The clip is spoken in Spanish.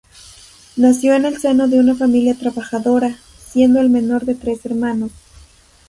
Nació en el seno de una familia trabajadora, siendo el menor de tres hermanos.